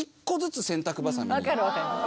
分かる分かります。